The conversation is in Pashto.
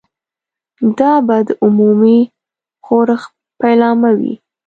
دا به د عمومي ښورښ پیلامه وي.